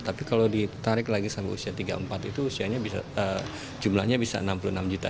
tapi kalau ditarik lagi sampai usia tiga puluh empat itu jumlahnya bisa enam puluh enam juta